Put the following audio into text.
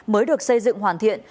mới được xây dựng hoàn thiện